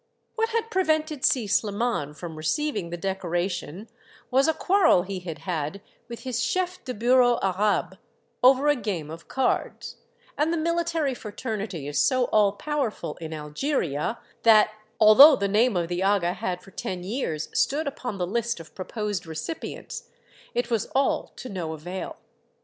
What had prevented Si Sliman from receiving the decoration was a quarrel he had had with his chef de bureau arabe, over a game of cards, and the military fraternity is so all powerful in Algeria that, although the name of the aga had for ten years stood upon the list of proposed recipients, it was all to no avail.